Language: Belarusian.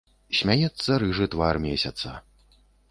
Смяецца рыжы твар месяца.